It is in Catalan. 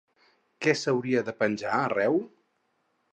Què s'hauria de penjar arreu?